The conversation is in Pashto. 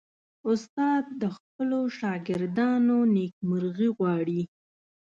استاد د خپلو شاګردانو نیکمرغي غواړي.